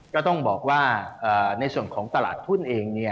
ก็ต้องบอกว่าในส่วนของตลาดทุนเอง